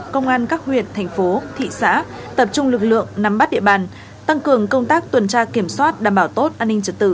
công an các huyện thành phố thị xã tập trung lực lượng nắm bắt địa bàn tăng cường công tác tuần tra kiểm soát đảm bảo tốt an ninh trật tự